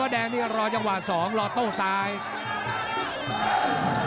แล้วแดงนี่ก็รอจังหวะ๒รอต้องไซน์